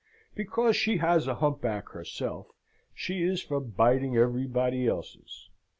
Because she has a hump back herself, she is for biting everybody else's.